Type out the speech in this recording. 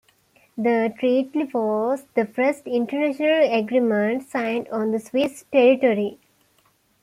The treaty was the first international agreement signed on Swiss territory.